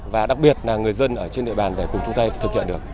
và đặc biệt là người dân ở trên địa bàn để cùng chung tay thực hiện được